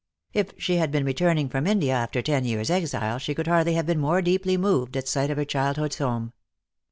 If she had been returning from India after ten years' exile she could hardly have been more deeply moved at sight of her childhood's home.